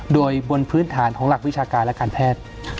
โดยบนพื้นฐานของหลักวิชาการและการแพทย์